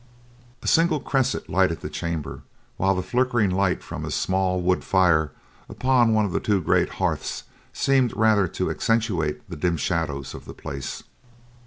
A single cresset lighted the chamber, while the flickering light from a small wood fire upon one of the two great hearths seemed rather to accentuate the dim shadows of the place.